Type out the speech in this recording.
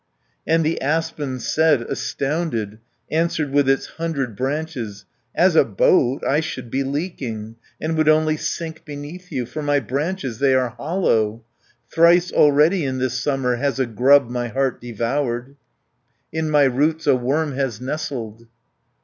And the aspen said astounded, Answered with its hundred branches: 40 "As a boat I should be leaking, And would only sink beneath you, For my branches they are hollow. Thrice already in this summer, Has a grub my heart devoured, In my roots a worm has nestled."